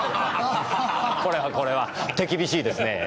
これはこれは手厳しいですねぇ。